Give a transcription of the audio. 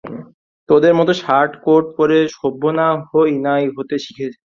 তোদের মত শার্ট-কোট পরে সভ্য না-হয় নাই হতে শিখেছে।